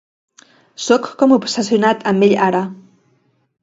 Sóc com obsessionat amb ell ara.